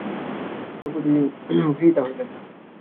দ্রৌপদী সৈরিন্ধ্রীবেশে রাজ্ঞীর অন্তঃপুরে পরিচারিকারূপে গৃহীতা হইলেন।